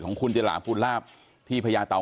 ของคุณเจราผู้ราพที่ภรรยาเตา